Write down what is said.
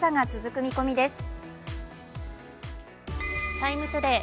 「ＴＩＭＥ，ＴＯＤＡＹ」